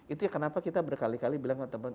itu kenapa kita berkali kali bilang ke teman teman